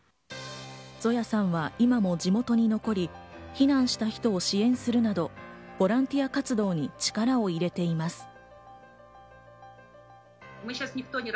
ゾヤさんは今も地元に残り、避難した人を支援するなどボランティア活動に力を入れています。